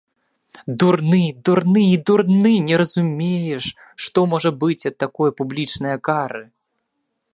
Дурны, дурны і дурны, не разумееш, што можа быць ад такое публічнае кары.